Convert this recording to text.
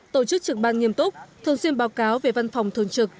tổ chức trực ban nghiêm túc thường xuyên báo cáo về văn phòng thường trực